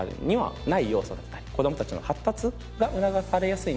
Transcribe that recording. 子供たちの発達が促されやすいな。